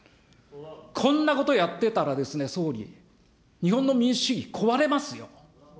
こんなことやってたらですね、総理、日本の民主主義、壊れますよ。